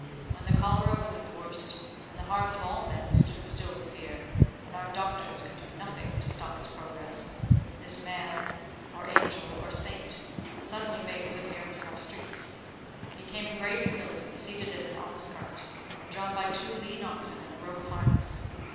When the cholera was at the worst, and the hearts of all men stood still with fear, and our doctors could do nothing to stop its progress, this man, or angel, or saint, suddenly made his appearance in our streets. He came in great humility, seated in an ox cart, and drawn by two lean oxen and a rope harness.